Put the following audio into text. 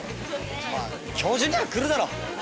まあ今日中には来るだろ。